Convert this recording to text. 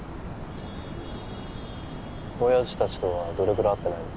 親父たちとはどれぐらい会ってないの？